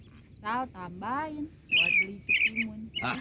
asal tambahin buat beli ketimun